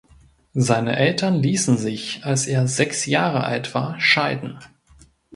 Seine Eltern ließen sich als er sechs Jahre alt war scheiden.